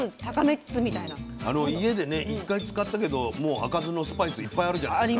家でね１回使ったけどもう開かずのスパイスいっぱいあるじゃないですか。